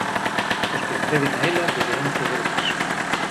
Os que acceden a ela deberán ceder o paso.